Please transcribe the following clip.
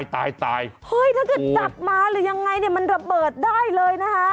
ตายถ้าเกิดดับมาหรือยังไงมันระเบิดได้เลยนะฮะ